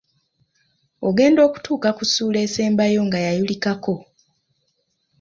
Ogenda okutuuka ku ssuula esembayo nga yayulikako!